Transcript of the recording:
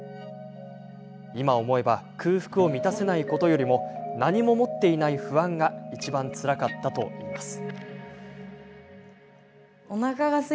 今、思えば空腹を満たせないことよりも何も持っていない不安がいちばんつらかったといいます。